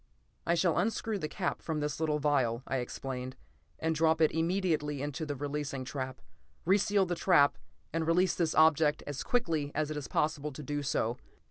"I shall unscrew the cap from this little vial," I explained, "and drop it immediately into the releasing trap. Re seal the trap and release this object as quickly as it is possible to do so.